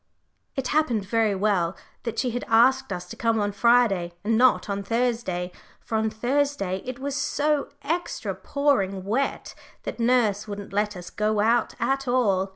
It happened very well that she had asked us to come on Friday, and not on Thursday, for on Thursday it was so extra pouring wet that nurse wouldn't let us go out at all.